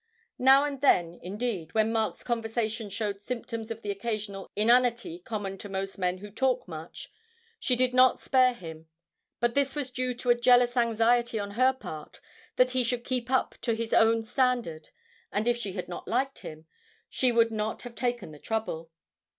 Now and then, indeed, when Mark's conversation showed symptoms of the occasional inanity common to most men who talk much, she did not spare him; but this was due to a jealous anxiety on her part that he should keep up to his own standard, and if she had not liked him she would not have taken the trouble.